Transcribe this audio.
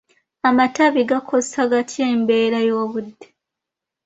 Amatabi gakosa gatya embeera y'obudde?